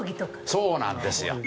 そうなんですよ。